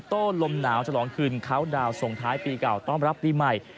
โต้ลมหนาวจรองคืนส่วนท้ายปีเก่าต้องรับปีใหม่